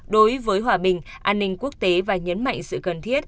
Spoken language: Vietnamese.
đối với hòa bình an ninh quốc tế và nhấn mạnh sự cần thiết